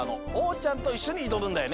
ちゃんといっしょにいどむんだよね？